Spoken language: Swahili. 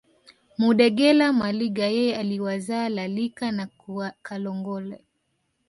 Mudegela Maliga yeye aliwazaa Lalika na Kalongole